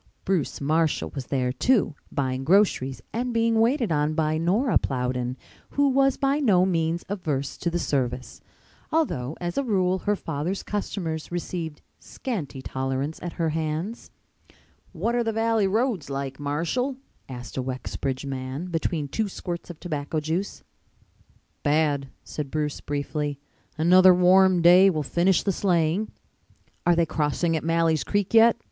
Bruce Marshall was there, too, buying groceries and being waited on by Nora Plowden, who was by no means averse to the service, although as a rule her father's customers received scanty tolerance at her hands. "What are the Valley roads like, Marshall?" asked a Wexbridge man, between two squirts of tobacco juice. "Bad," said Bruce briefly. "Another warm day will finish the sleighing." "Are they crossing at Malley's Creek yet?"